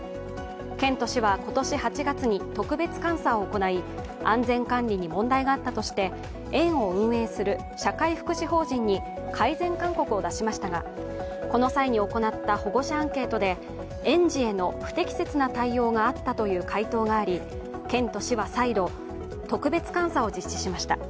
県と市は今年８月に特別監査を行い安全管理に問題があったとして園を運営する社会福祉法人に改善勧告を出しましたがこの際に行った保護者アンケートで園児への不適切な対応があったという回答があり県と市は再度、特別監査を実施しました。